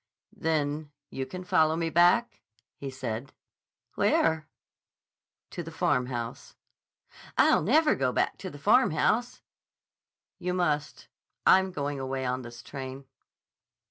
"Then you can follow me back?" he said. "Where?" "To the Farmhouse." "I'll never go back to the Farmhouse." "You must. I'm going away on this train."